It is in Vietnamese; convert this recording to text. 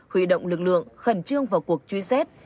huy động lực lượng khẩn trương vào cuộc truy xét